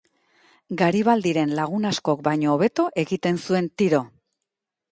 Garibaldiren lagun askok baino hobeto egiten zuen tiro.